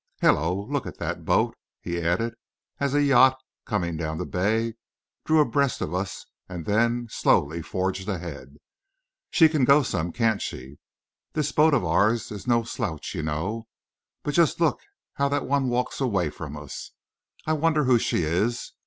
"Hello! look at that boat!" he added, as a yacht, coming down the bay, drew abreast of us and then slowly forged ahead. "She can go some, can't she? This boat of ours is no slouch, you know; but just look how that one walks away from us. I wonder who she is?